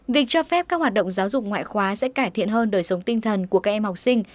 việc cho phép các hoạt động giáo dục ngoại khóa sẽ cải thiện hơn đời sống tinh thần của các em học sinh